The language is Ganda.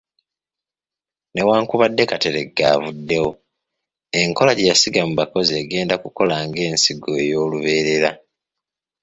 Newankubadde Kateregga avuddewo, enkola gye yasiga mu bakozi egenda kukola ng’ensigo ey’olubeerera.